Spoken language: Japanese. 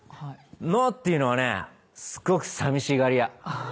脳っていうのはねすごく寂しがり屋。